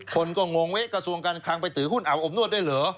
คนก็งงเว้กระทรวงการคลังไปถือหุ้นอาบอบนวดได้เหรอ